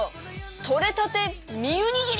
とれたてミウにぎり」